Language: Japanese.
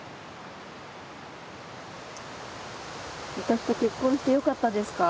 私と結婚してよかったですか？